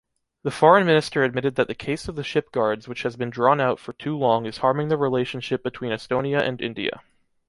The Foreign Minister admitted that the case of the ship guards which has been drawn out for too long is harming the relationship between Estonia and India.